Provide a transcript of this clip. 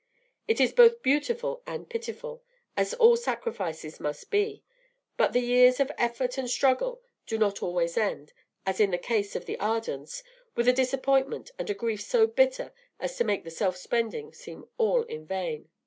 It is both beautiful and pitiful, as all sacrifices must be; but the years of effort and struggle do not always end, as in the case of the Ardens, with a disappointment and a grief so bitter as to make the self spending seem all in vain.